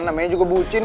namanya juga bucin